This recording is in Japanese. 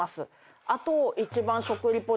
あと。